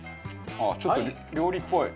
ちょっと料理っぽい。